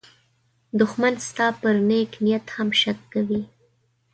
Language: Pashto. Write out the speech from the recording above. دښمن ستا پر نېک نیت هم شک کوي